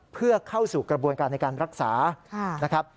เพื่อเข้าสู่กระบวนการในการรักษานะครับ